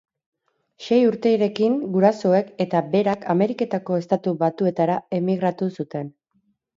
Sei urterekin gurasoek eta berak Ameriketako Estatu Batuetara emigratu zuten.